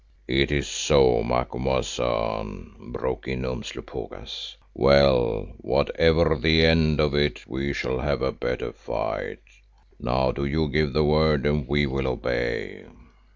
"It is so, Macumazahn," broke in Umslopogaas. "Well, whatever the end of it, we shall have a better fight. Now do you give the word and we will obey."